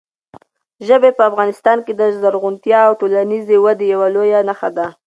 ژبې په افغانستان کې د زرغونتیا او ټولنیزې ودې یوه لویه نښه ده.